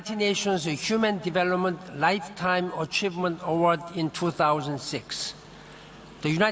ขอเจ้าทีสู้เมืองระเบียงในที่๑๓๑เยกใหก้มยภาพนาที